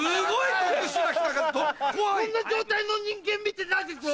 こんな状態の人間見て何で。